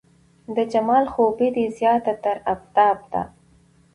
د جمال خوبي دې زياته تر افتاب ده